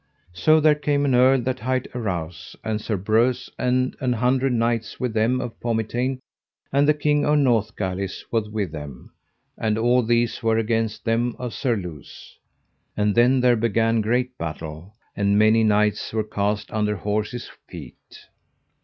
So there came an earl that hight Arrouse, and Sir Breuse, and an hundred knights with them of Pomitain, and the King of Northgalis was with them; and all these were against them of Surluse. And then there began great battle, and many knights were cast under horses' feet.